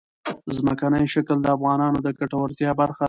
ځمکنی شکل د افغانانو د ګټورتیا برخه ده.